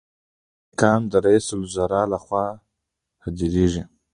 احکام د رئیس الوزرا لخوا صادریږي